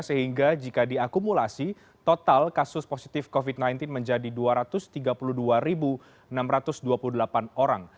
sehingga jika diakumulasi total kasus positif covid sembilan belas menjadi dua ratus tiga puluh dua enam ratus dua puluh delapan orang